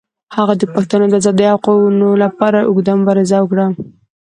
هغه د پښتنو د آزادۍ او حقوقو لپاره اوږده مبارزه وکړه.